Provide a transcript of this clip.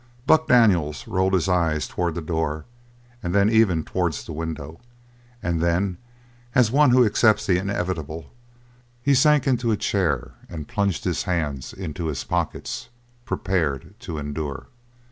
Buck Daniels rolled his eyes towards the door and then even towards the window, and then, as one who accepts the inevitable, he sank into a chair and plunged his hands into his pockets, prepared to endure.